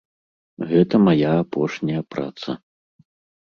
Гэта мая апошняя праца.